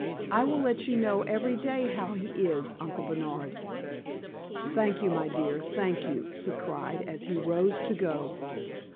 I will let you know every day how he is, Uncle Bernard." "Thank you, my dear; thank you!" he cried, as he rose to go.